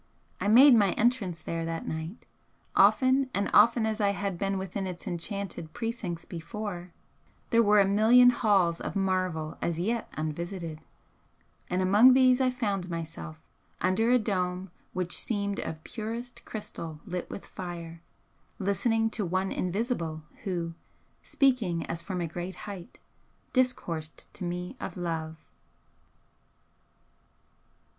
I made my entrance there that night; often and often as I had been within its enchanted precincts before, there were a million halls of marvel as yet unvisited, and among these I found myself, under a dome which seemed of purest crystal lit with fire, listening to One invisible, who, speaking as from a great height, discoursed to me of Love."